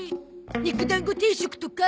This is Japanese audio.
肉だんご定食とか。